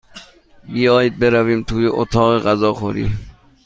بیایید برویم توی اتاق غذاخوری.